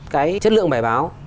cái chất lượng bài báo